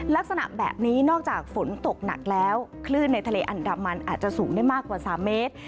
ลักษณะแบบนี้นอกจากฝนตกหนักแล้วคลื่นในทะเลอันดามันอาจจะสูงได้มากกว่า๓เมตร